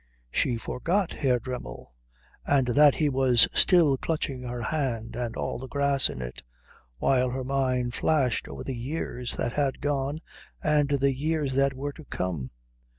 She forgot Herr Dremmel, and that he was still clutching her hand and all the grass in it, while her mind flashed over the years that had gone and the years that were to come.